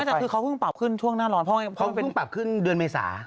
ไม่แต่คือเขาเพิ่งปรับขึ้นช่วงหน้าร้อนเพราะไม่เป็นเพราะเขาเพิ่งปรับขึ้นเดือนเมษายน